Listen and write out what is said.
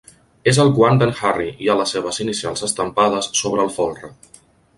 És el guant d'en Harry; hi ha les seves inicials estampades sobre el folre.